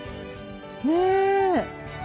ねえ。